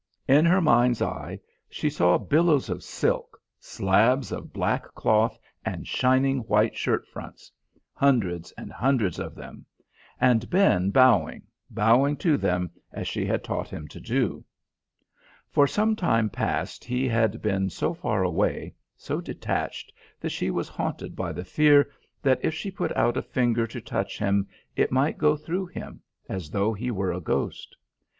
In her mind's eye she saw billows of silk, slabs of black cloth and shining white shirt fronts hundreds and hundreds of them. And Ben bowing, bowing to them as she had taught him to do. For some time past he had been so far away, so detached that she was haunted by the fear that if she put out a finger to touch him it might go through him, as though he were a ghost.